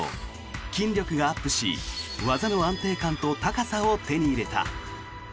筋力がアップし技の安定感と高さを手に入れた。